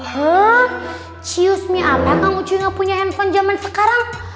heeh choose me apa kamu cuy gak punya handphone jaman sekarang